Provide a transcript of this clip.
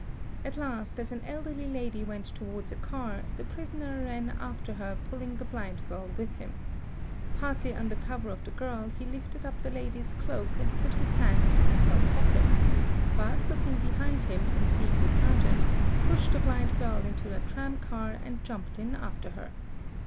At last as an elderly lady went towards a car, the prisoner ran after her pulling the blind girl with him. Partly under cover of the girl he lifted up the lady's cloak and put his hand in her pocket, but, looking behind him and seeing the sergeant, pushed the blind girl into a tram car and jumped in after her.